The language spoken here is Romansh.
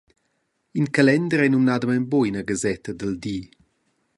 In calender ei numnadamein buc ina gasetta dil gi.